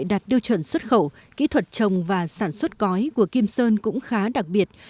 đạt tiêu chuẩn xuất khẩu kỹ thuật trồng và sản xuất cói của kim sơn cũng khá đặc biệt